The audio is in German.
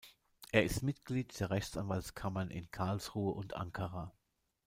Er ist Mitglied der Rechtsanwaltskammern in Karlsruhe und Ankara.